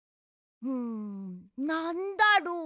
んなんだろう？